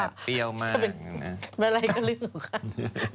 เมื่อไรก็ลืมค่ะ